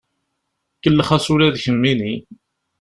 Kellex-as ula d kemmini.